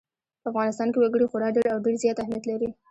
په افغانستان کې وګړي خورا ډېر او ډېر زیات اهمیت لري.